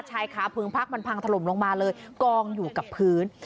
ชายขาพึงพักมันพังถล่มลงมาเลยกองอยู่กับพื้น